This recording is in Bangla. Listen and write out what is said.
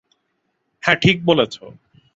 হ্যাঁ, ঠিক বলেছো।